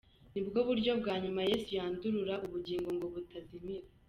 Nibwo buryo bwa nyuma Yesu yandurura ubugingo ngo butazimira.